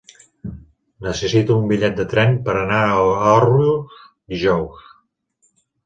Necessito un bitllet de tren per anar a Òrrius dijous.